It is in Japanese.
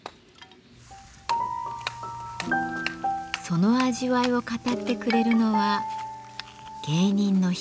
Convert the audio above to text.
その味わいを語ってくれるのは芸人のヒロシさん。